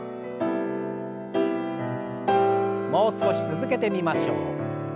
もう少し続けてみましょう。